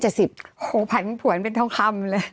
โอ้โฮผ่านผ่วนเป็นเท่าคำเลย